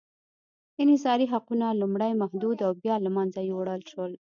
انحصاري حقونه لومړی محدود او بیا له منځه یووړل شول.